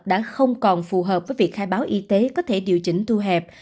đã không còn phù hợp với việc khai báo y tế có thể điều chỉnh thu hẹp